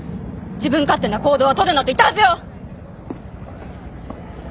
自分勝手な行動は取るなと言ったはずよ！